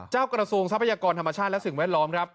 กระทรวงทรัพยากรธรรมชาติและสิ่งแวดล้อมครับ